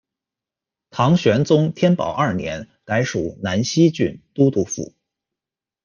唐玄宗天宝二年改属南溪郡都督府。